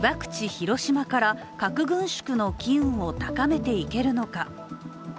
・広島から核軍縮の機運を高めていけるのか。